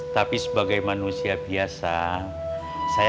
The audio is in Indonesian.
tadi waktu sholat asar